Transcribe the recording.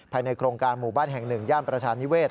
ในโครงการหมู่บ้านแห่ง๑ย่านประชานิเวศ